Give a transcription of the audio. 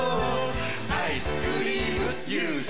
アイスクリームユース